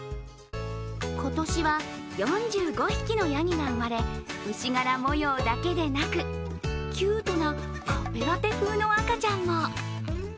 今年は４５匹のやぎが生まれ牛柄模様だけでなくキュートなカフェラテ風の赤ちゃんも。